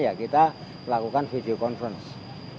ya kita melakukan video conference